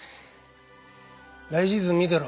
来シーズン見てろ。